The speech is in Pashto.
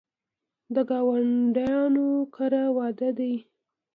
د ګاونډیانو کره واده دی